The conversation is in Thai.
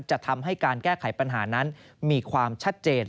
จะทำให้การแก้ไขปัญหานั้นมีความชัดเจน